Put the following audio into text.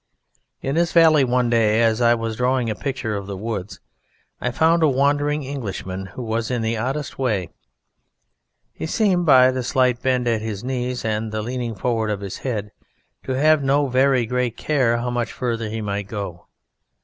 In this valley one day as I was drawing a picture of the woods I found a wandering Englishman who was in the oddest way. He seemed by the slight bend at his knees and the leaning forward of his head to have no very great care how much further he might go.